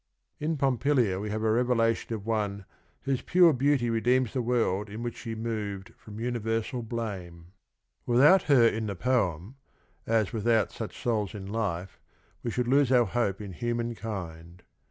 " In Pompilia we have a revelation of one whose pure beauty redeems the w orld ill which bh e mov ed from universal bfame . ^Yithout her in the poem, as without such souls in life, we should lose our hope in human kind.